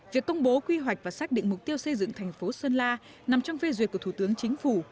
việc công bố quy hoạch và xác định mục tiêu xây dựng thành phố sơn la nằm trong phê duyệt của thủ tướng chính phủ